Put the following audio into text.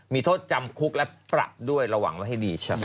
มีโทษจำคุกและปรับด้วยระวังว่าให้ดี